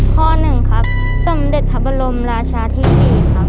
ข้อหนึ่งครับสมเด็จพระบรมราชาที่๔ครับ